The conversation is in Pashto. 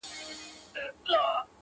راسه چي الهام مي د زړه ور مات كـړ;